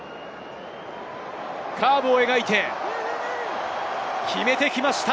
カーブを描いて、決めてきました！